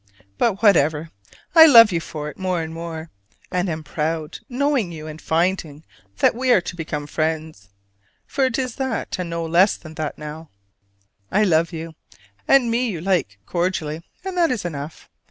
But, whatever I love you for it more and more, and am proud knowing you and finding that we are to become friends. For it is that, and no less than that, now. I love you; and me you like cordially: and that is enough.